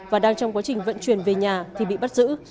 và đang trong quá trình vận chuyển về nhà thì bị bắt giữ